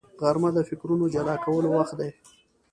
غرمه د فکرونو جلا کولو وخت دی